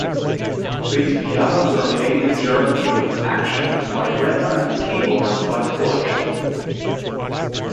These pianos are made in Germany with actions by Renner and keyboards by Kluge.